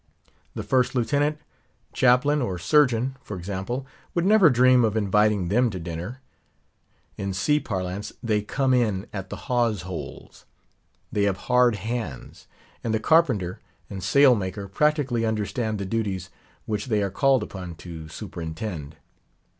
The First Lieutenant, Chaplain, or Surgeon, for example, would never dream of inviting them to dinner, In sea parlance, "they come in at the hawse holes;" they have hard hands; and the carpenter and sail maker practically understand the duties which they are called upon to superintend.